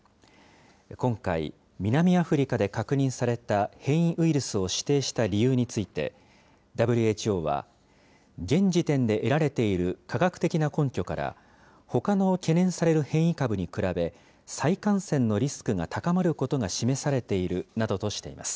今回、南アフリカで確認された変異ウイルスを指定した理由について、ＷＨＯは、現時点で得られている科学的な根拠から、ほかの懸念される変異株に比べ、再感染のリスクが高まることが示されているなどとしています。